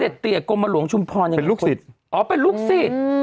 เสด็จเตียกกลมหลวงชุมพรอย่างนี้เป็นลูกศิษย์อ๋อเป็นลูกศิษย์